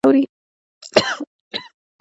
غوږ د نړۍ غږونه اوري.